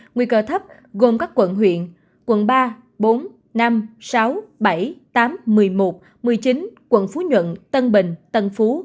nguy cơ thấp gồm các quận huyện quận ba bốn năm sáu bảy tám một mươi một một mươi chín quận phú nhuận tân bình tân phú